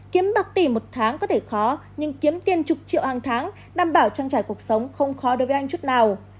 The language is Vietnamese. kiếm bạc tỷ một tháng có thể khó nhưng kiếm tiền chục triệu hàng tháng đảm bảo trang trải cuộc sống không khó đối với anh chút nào